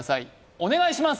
お願いします